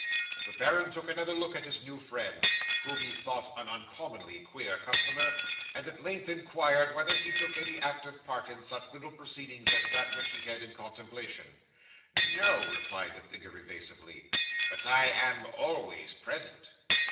'The baron took another look at his new friend, whom he thought an uncommonly queer customer, and at length inquired whether he took any active part in such little proceedings as that which he had in contemplation. '"No," replied the figure evasively; "but I am always present."